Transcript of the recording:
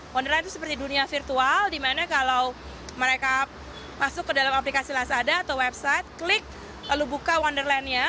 wonderland itu seperti dunia virtual dimana kalau mereka masuk ke dalam aplikasi lasada atau website klik lalu buka wonderlandnya